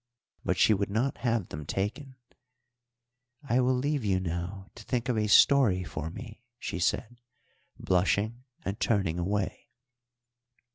But she would not have them taken. "I will leave you now to think of a story for me," she said, blushing and turning away.